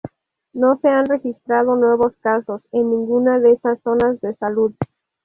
No se han registrado nuevos casos en ninguna de esas zonas de salud.